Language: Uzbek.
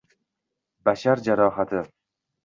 Bashar jarohati